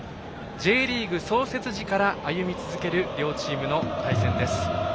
Ｊリーグ創設時から歩み続ける両チームの対戦です。